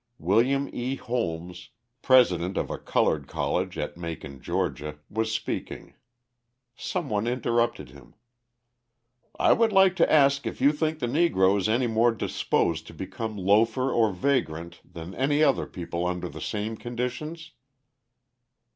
William E. Holmes, president of a coloured college at Macon, Georgia, was speaking. Some one interrupted him: "I would like to ask if you think the Negro is any more disposed to become a loafer or vagrant than any other people under the same conditions?"